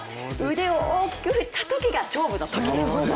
腕を大きく振ったときが勝負のときです。